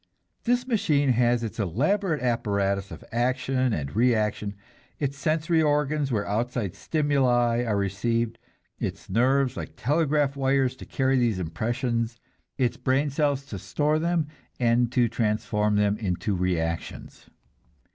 This machine has its elaborate apparatus of action and reaction, its sensory organs where outside stimuli are received, its nerves like telegraph wires to carry these impressions, its brain cells to store them and to transform them into reactions.